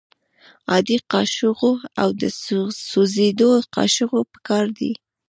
عادي قاشوغه او د سوځیدو قاشوغه پکار ده.